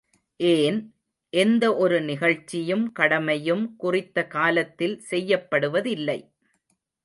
ஏன், எந்த ஒரு நிகழ்ச்சியும் கடமையும் குறித்த காலத்தில் செய்யப்படுவதில்லை!